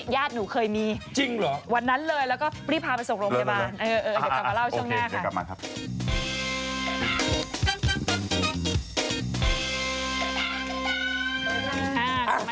ยาดหนูเคยมีวันนั้นเลยแล้วก็รีบพาไปส่งโรงพยาบาลเดี๋ยวกลับมาเล่าช่วงหน้าค่ะ